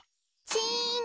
チン。